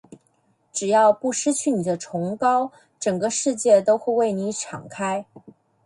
只要不失去你的崇高，整个世界都会向你敞开。